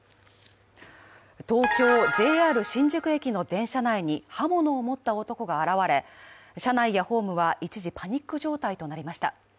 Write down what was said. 東京・ＪＲ新宿駅の電車内に刃物を持った男が現れ、車内やホームは一時パニック状態となりました。